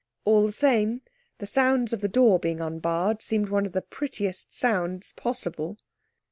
All the same, the sounds of the door being unbarred seemed one of the prettiest sounds possible.